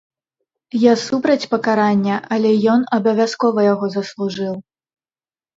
Я супраць пакарання, але ён абавязкова яго заслужыў.